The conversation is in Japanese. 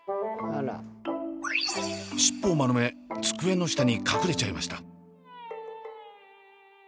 尻尾を丸め机の下に隠れちゃいました。